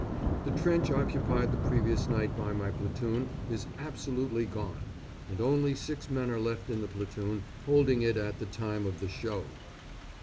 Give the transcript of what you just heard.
The trench occupied the previous night by my platoon is absolutely gone, and only six men are left in the platoon holding it at the time of the "show."